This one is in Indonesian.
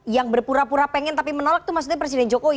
yang berpura pura pengen tapi menolak itu maksudnya presiden jokowi